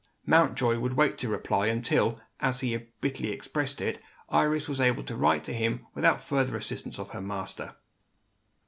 Mountjoy would wait to reply, until, as he bitterly expressed it, Iris was able to write to him without the assistance of her master.